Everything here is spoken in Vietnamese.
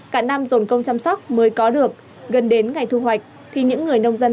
cả năm dồn công chăm sóc mới có được gần đến ngày thu hoạch thì những người nông dân